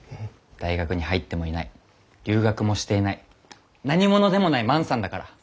大学に入ってもいない留学もしていない何者でもない万さんだから。